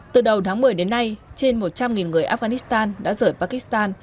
từ đầu tháng một mươi đến nay trên một trăm linh người afghanistan đã rời pakistan